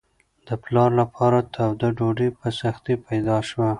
د پلار لپاره توده ډوډۍ په سختۍ پیدا شوه.